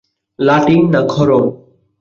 লাঠি, না খড়ম?